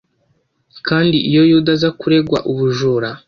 Kandi iyo Yuda aza kuregwa ubujura,